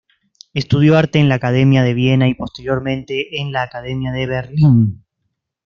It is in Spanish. Estudió arte en la Academia de Viena y posteriormente en la Academia de Berlín.